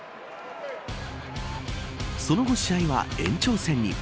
その後、試合は延長戦に。